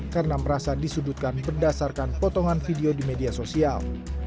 karena merasa disudutkan berdasarkan potongan video di media sosial